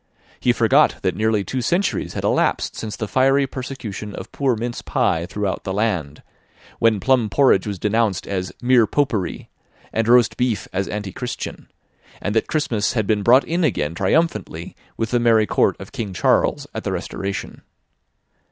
He forgot that nearly two centuries had elapsed since the fiery persecution of poor mince pie throughout the land; when plum porridge was denounced as "mere popery," and roast beef as antichristian; and that Christmas had been brought in again triumphantly with the merry court of King Charles at the Restoration.